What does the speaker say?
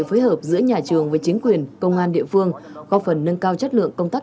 phối hợp giữa nhà trường với chính quyền công an địa phương góp phần nâng cao chất lượng công tác